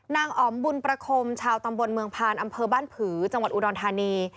อ๋อมบุญประคมชาวตำบลเมืองพานอำเภอบ้านผือจังหวัดอุดรธานี